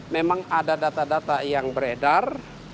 memang ada data data yang beredar